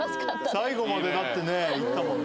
最後までだってねいったもんね。